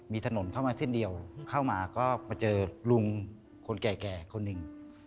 มีถนนเข้ามาเส้นเดียวเข้ามาก็มาเจอลุงคนแก่คนหนึ่ง